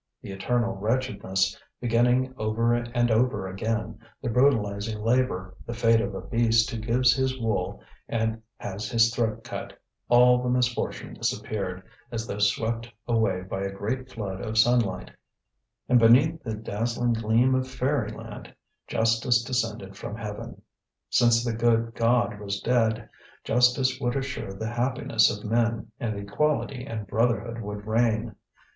The eternal wretchedness, beginning over and over again, the brutalizing labour, the fate of a beast who gives his wool and has his throat cut, all the misfortune disappeared, as though swept away by a great flood of sunlight; and beneath the dazzling gleam of fairyland justice descended from heaven. Since the good God was dead, justice would assure the happiness of men, and equality and brotherhood would reign.